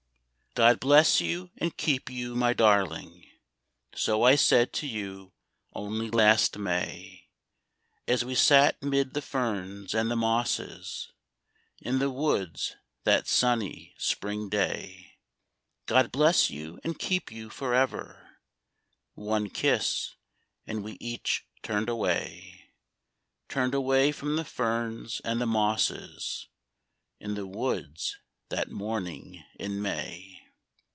OD bless you and keep you, my darling !" So I said to you only last May, As we sat 'mid the ferns and the mosses In the woods that sunny spring day. " God bless you and keep you forever." One kiss, — and we each turned away. Turned away from the ferns and the mosses In the woods that morning in May.